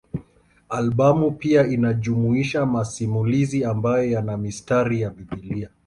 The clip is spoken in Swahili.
Albamu pia inajumuisha masimulizi ambayo yana mistari ya Biblia.